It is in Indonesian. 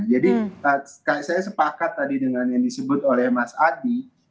jadi saya sepakat tadi dengan yang disebut oleh mas adi